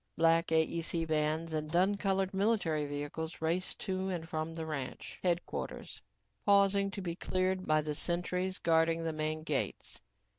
Black AEC vans and dun colored military vehicles raced to and from the ranch headquarters, pausing to be cleared by the sentries guarding the main gates.